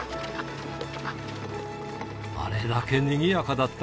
あれだけにぎやかだった